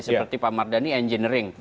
seperti pak mardhani engineering